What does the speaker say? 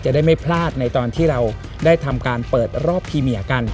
ได้ไม่พลาดในตอนที่เราได้ทำการเปิดรอบพรีเมียกัน